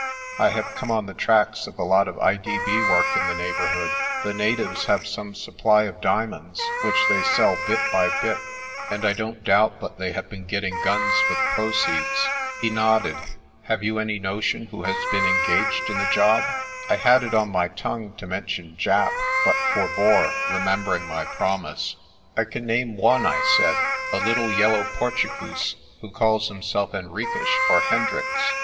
' "I have come on the tracks of a lot of I.D.B. work in the neighbourhood. The natives have some supply of dia monds, which they sell bit by bit, and I don't doubt but they have been getting guns with the proceeds." He nodded. "Have you any notion who has been en gaged in the job?' I had it on my tongue to mention Japp but forebore, remembering my promise. "I can name one," I said, "a little yellow Portugoose, who calls himself Henriques or Hendricks.